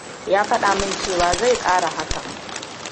Ya faɗa min cewa zai kara hakan.